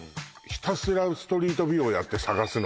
ひたすらストリートビューをやって探すの？